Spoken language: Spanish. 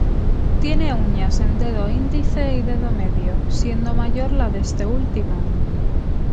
Tiene uñas en dedo índice y dedo medio, siendo mayor la de este último.